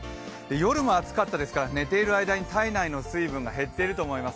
夜も暑かったですから寝ている間に体内の水分が減っていると思います。